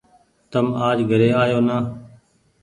تم آج گهري آيو نآ ۔